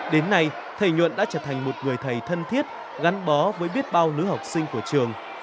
đến nay thầy nhuận đã trở thành một người thầy thân thiết gắn bó với biết bao nữ học sinh của trường